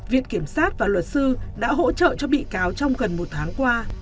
viện kiểm sát và luật sư đã hỗ trợ cho bị cáo trong gần một tháng qua